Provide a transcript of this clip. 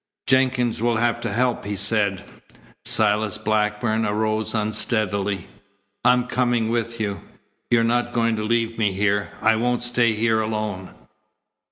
"Jenkins will have to help," he said. Silas Blackburn arose unsteadily. "I'm coming with you. You're not going to leave me here. I won't stay here alone."